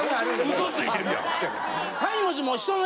ウソついてるやん！